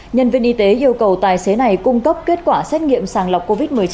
nhân viên y tế yêu cầu tài xế này cung cấp kết quả xét nghiệm sàng lọc covid một mươi chín